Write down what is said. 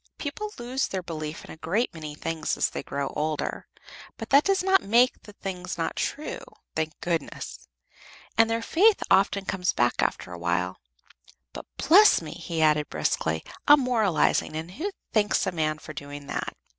People lose their belief in a great many things as they grow older; but that does not make the things not true, thank goodness! and their faith often comes back after a while. But, bless me!" he added, briskly, "I'm moralizing, and who thanks a man for doing that?